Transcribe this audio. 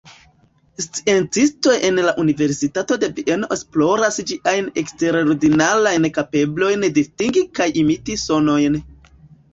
Sciencistoj en la Universitato de Vieno esploras ĝiajn eksterordinarajn kapablojn distingi kaj imiti sonojn.